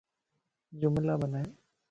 جملا بنائي